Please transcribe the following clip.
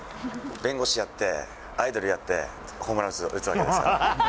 弁護士やって、アイドルやって、ホームラン打つわけですから。